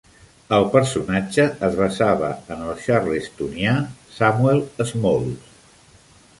El personatge es basava en el Charlestonià Samuel Smalls.